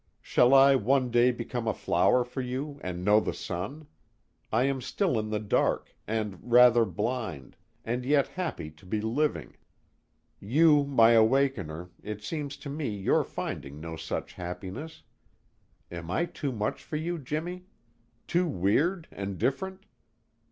Shall I one day become a flower for you and know the sun? I am still in the dark, and rather blind, and yet happy to be living. You my awakener, it seems to me you're finding no such happiness. Am I too much for you, Jimmy? Too weird and different?